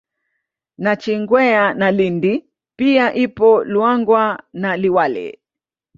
Nachingwea na Lindi pia ipo Luangwa na Liwale